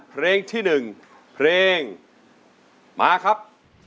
เพลงที่๑เพลงมาครับ